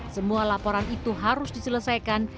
semua laporan itu harus diselesaikan